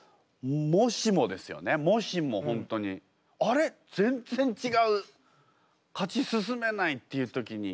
もしもですよねもしも本当に「あれ？全然ちがう。勝ち進めない」っていう時に。